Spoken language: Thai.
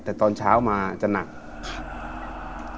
แต่ตอนเช้ามาจะหนัก